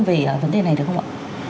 về vấn đề này được không ạ